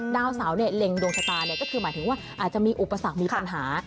ดาวเสาเนี่ยเล็งดวงชะตาก็คือหมายถึงว่าอาจจะมีอุปสรรคมีปัญหา